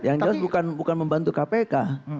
yang jelas bukan membantu kpk